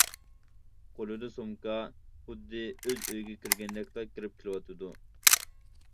قولىدا سومكا، خۇددى ئۆز ئۆيىگە كىرگەندەكلا كىرىپ كېلىۋاتىدۇ.